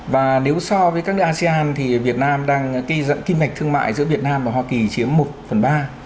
và nếu so với các nước asean thì việt nam đang kim ngạch thương mại giữa việt nam và hoa kỳ chiếm một phần ba